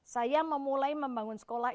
saya memulai membangun sekolah